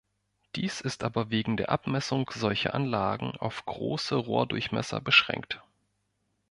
Dies ist aber wegen der Abmessung solcher Anlagen auf große Rohrdurchmesser beschränkt.